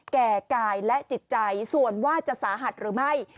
แก่กายและจิตใจส่วนว่าจะสาหัสหรือไม่